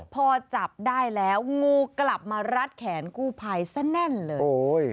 พอจับได้แล้วงูกลับมารัดแขนกู้ภัยซะแน่นเลยโอ้ย